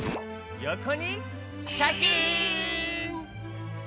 よこにシャキーン！